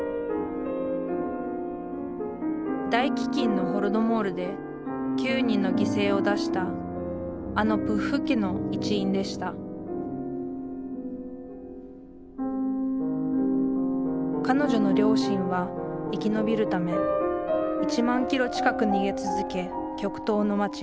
大飢きんのホロドモールで９人の犠牲を出したあのプッフ家の一員でした彼女の両親は生き延びるため１万キロ近く逃げ続け極東の街